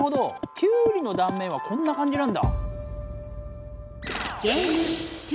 キュウリの断面はこんなかんじなんだ。